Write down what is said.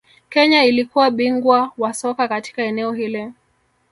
Kenya ilikuwa bingwa wa soka katika eneo hili